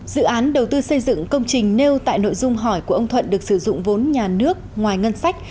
dự án đầu tư xây dựng công trình nêu tại nội dung hỏi của ông thuận được sử dụng vốn nhà nước ngoài ngân sách